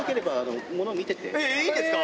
ええ、いいんですか？